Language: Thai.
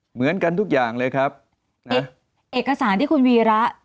เหมือนกันทุกอย่างเลยครับเอกสารที่คุณวีระ